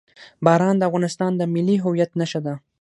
باران د افغانستان د ملي هویت نښه ده.